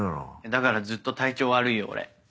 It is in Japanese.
だからずっと体調悪いよ俺。